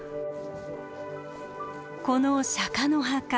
この釈の墓